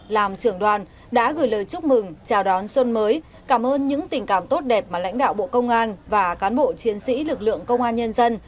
làm trưởng đoàn đã gửi lời chúc mừng chào đón xuân mới cảm ơn những tình cảm tốt đẹp mà lãnh đạo bộ công an và cán bộ chiến sĩ lực lượng công an nhân dân